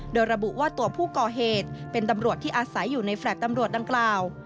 โดยระบุว่าตัวผู้ก่อเหตุเป็นตำรวจที่อาศัยอยู่ในแฟลต์ตำรวจดังกล่าว